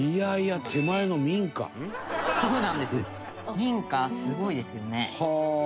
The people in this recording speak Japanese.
民家すごいですよね。